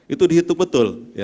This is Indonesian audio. itu dihitung betul